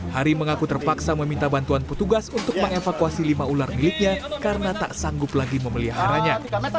hari mengaku terpaksa meminta bantuan petugas untuk mengevakuasi lima ular miliknya karena tak sanggup lagi memeliharanya